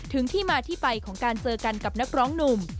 ที่มาที่ไปของการเจอกันกับนักร้องหนุ่ม